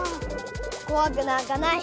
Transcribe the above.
こわくなんかない。